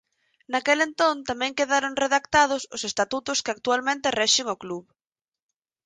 Naquel entón tamén quedaron redactados os estatutos que actualmente rexen o club.